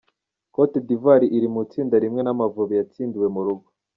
Cote d’Ivoire iri mu itsinda rimwe n’Amavubi yatsindiwe mu rugo .